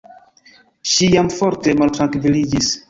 Ŝi jam forte maltrankviliĝis.